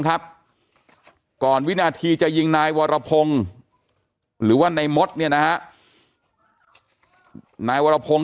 ครับก่อนวินาทีจะยิงนายวรพงศ์หรือว่านายมดเนี่ยนะฮะนายวรพงศ์